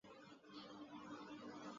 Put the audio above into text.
惟故博徒日至纵博。